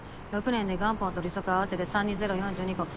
６年で元本と利息合わせて３にゼロ４２個。